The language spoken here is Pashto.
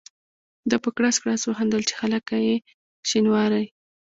ده په کړس کړس وخندل چې هلکه یې شینواری.